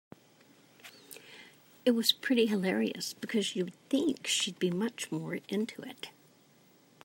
It was pretty hilarious because you would think that she would be much more into it.